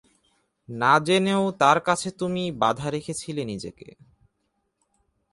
না জেনেও তার কাছে তুমি বাঁধা রেখেছিলে নিজেকে।